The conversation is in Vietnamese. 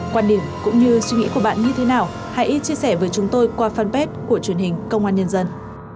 quan điểm cũng như suy nghĩ của bạn như thế nào hãy chia sẻ với chúng tôi qua fanpage của truyền hình công an nhân dân